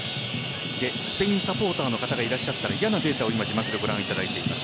スペインサポーターの方がいらっしゃったら嫌なデータを字幕でご覧いただいています。